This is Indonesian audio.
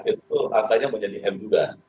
itu angkanya menjadi m juga